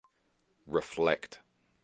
Reflect.